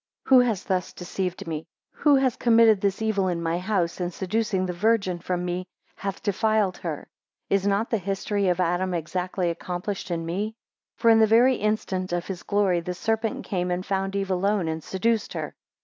4 Who has thus deceived me? Who has committed this evil in my house, and seducing the Virgin from me, hath defiled her? 5 Is not the history of Adam exactly accomplished in me? 6 For in the very instant of his glory, the serpent came and found Eve alone, and seduced her.